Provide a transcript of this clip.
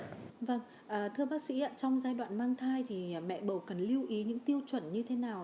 thưa bác sĩ trong giai đoạn mang thai thì mẹ bầu cần lưu ý những tiêu chuẩn như thế nào